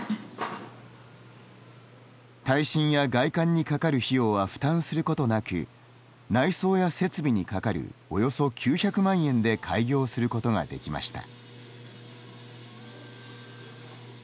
耐震や外観にかかる費用は負担することなく内装や設備にかかるおよそ９００万円で開業することができました。